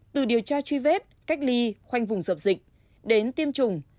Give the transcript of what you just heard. từ điều tra truy vết cách ly khoanh vùng dập dịch đến tiêm chủng